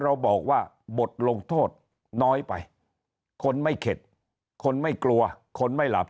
เราบอกว่าบทลงโทษน้อยไปคนไม่เข็ดคนไม่กลัวคนไม่หลับ